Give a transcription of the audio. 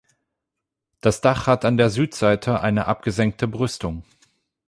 Das Dach hat an der Südseite eine abgesenkte Brüstung.